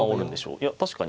いや確かに。